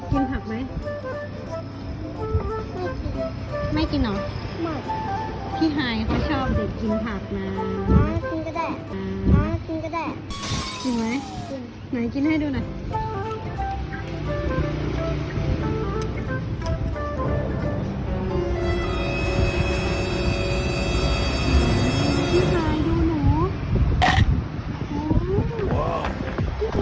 กินผักไหมไม่กินไม่กินเหรอไม่พี่ฮายเขาชอบเด็ดกินผักน่ะ